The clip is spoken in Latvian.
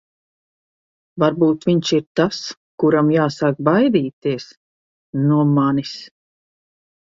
Varbūt viņš ir tas, kuram jāsāk baidīties... no manis.